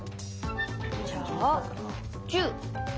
じゃあ１０。